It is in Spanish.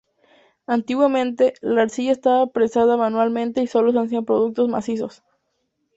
Antiguamente, la arcilla estaba prensada manualmente y sólo se hacían productos macizos.